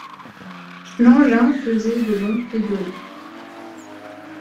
L'engin faisait de long et de haut.